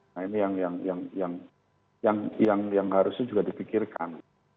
nah ini yang harusnya juga dipikirkan